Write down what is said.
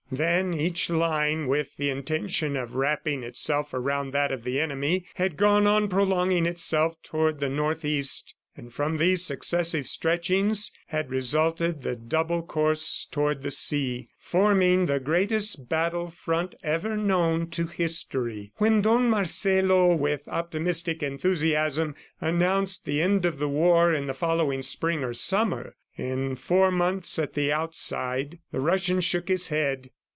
Then each line, with the intention of wrapping itself around that of the enemy, had gone on prolonging itself toward the Northeast, and from these successive stretchings had resulted the double course toward the sea forming the greatest battle front ever known to history. When Don Marcelo with optimistic enthusiasm announced the end of the war in the following Spring or Summer in four months at the outside the Russian shook his head.